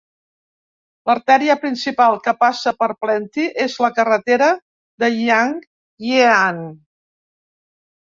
L'artèria principal que passa per Plenty és la carretera de Yan Yean.